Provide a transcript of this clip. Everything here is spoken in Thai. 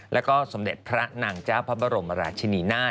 แล้วก็สมเด็จพระนางเจ้าพระบรมราชินีนาฏ